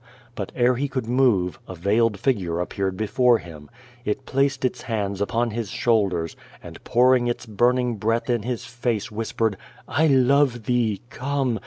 But ere he could move, a veiled figure appeared before him. It placed its hands upon his shoulders, and pouring its burning breath in his face whis pered: "I love thee. Come!